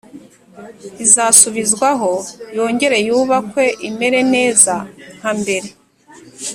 Izasubizwaho yongere yubakwe imere neza nkambere